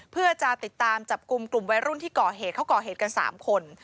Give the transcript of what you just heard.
เพื่อจะติดตามจับกลุ่มกลุ่มวัยรุ่นที่ก่อเหตุเขาก่อเหตุกัน๓คน